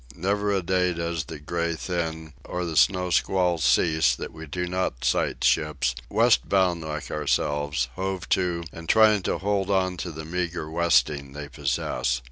Never a day does the gray thin, or the snow squalls cease that we do not sight ships, west bound like ourselves, hove to and trying to hold on to the meagre westing they possess.